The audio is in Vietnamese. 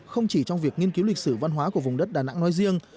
không chỉ trong việc nghiên cứu lịch sử văn hóa của vùng đất đà nẵng nói riêng